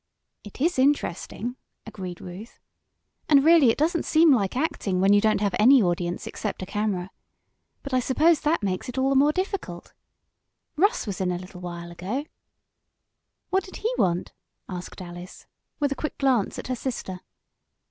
"It is interesting," agreed Ruth. "And really it doesn't seem like acting when you don't have any audience except a camera. But I suppose that makes it all the more difficult. Russ was in a little while ago." "What did he want?" asked Alice with a quick glance at her sister.